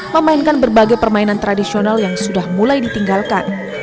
memainkan berbagai permainan tradisional yang sudah mulai ditinggalkan